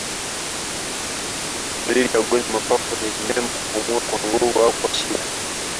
Dalili ya ugonjwa wa mapafu ni mnyama kupumua kwa nguvu au kwa shida